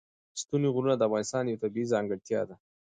ستوني غرونه د افغانستان یوه طبیعي ځانګړتیا ده.